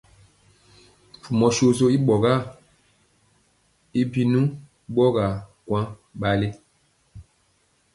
Mpumɔ soso i pumaa e binu ɓɔgaa kwaŋ ɓalɛ.